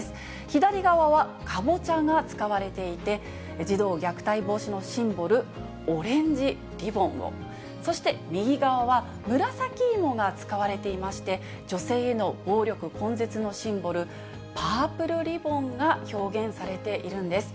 左側はかぼちゃが使われていて、児童虐待防止のシンボル、オレンジリボンを、そして右側は、紫芋が使われていまして、女性への暴力根絶のシンボル、パープルリボンが表現されているんです。